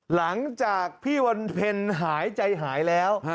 หลังจากพี่วันเพ็ญหายใจหายแล้ว